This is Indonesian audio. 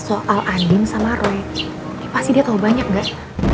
soal adim sama roy pasti dia tau banyak gak